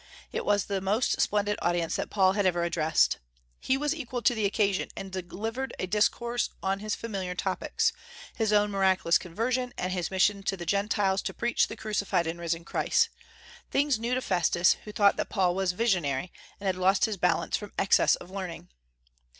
It was the most splendid audience that Paul had ever addressed. He was equal to the occasion, and delivered a discourse on his familiar topics, his own miraculous conversion and his mission to the Gentiles to preach the crucified and risen Christ, things new to Festus, who thought that Paul was visionary, and had lost his balance from excess of learning.